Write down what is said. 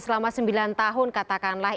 selama sembilan tahun katakanlah